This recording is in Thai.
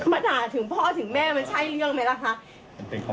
มาด่าถึงพ่อถึงแม่มันใช่เรื่องไหมล่ะคะ